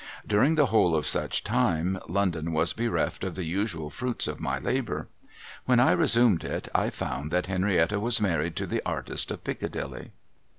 During the whole of such time, London was bereft of the usual fruits of my labour. When I resumed it, I found that Henrietta was married to the artist of riccadilly.